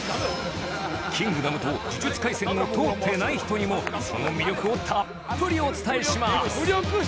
『キングダム』と『呪術廻戦』を通ってない人にもその魅力をたっぷりお伝えします！